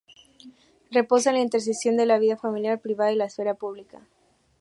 Reposa en la intersección de la vida familiar privada y la esfera pública.